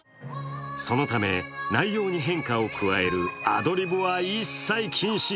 そのため内容に変化を加えるアドリブは一切禁止。